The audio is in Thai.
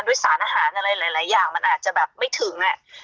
ด้วยสารอาหารอะไรอย่างมันอาจจะแบบไม่ถึงอะ